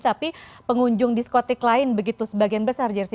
tapi pengunjung diskotik lain begitu sebagian besar jersi